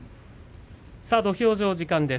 土俵上、時間です。